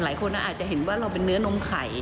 หลายคนอาจจะเห็นว่าเราเป็นเนื้อนมไข่